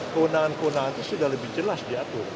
kewenangan kewenangan itu sudah lebih jelas diatur